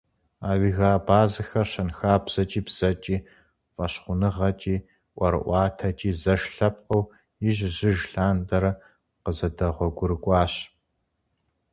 Адыгэ-абазэхэр щэнхабзэкӏи, бзэкӏи, фӏэщхъуныгъэкӏи, ӏуэрыӏуатэкӏи зэш лъэпкъыу ижь-ижьыж лъандэрэ къызэдэгъуэгурыкӏуащ.